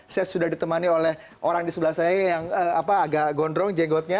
saya sudah ditemani oleh orang di sebelah saya yang agak gondrong jenggotnya